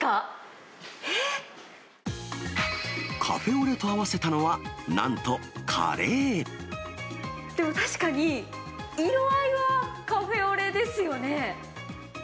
カフェオレと合わせたのは、でも確かに、色合いはカフェオレですよね。